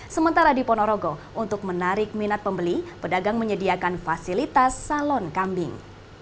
sementara di ponorogo untuk menarik minat pembeli pedagang menyediakan fasilitas salon kambing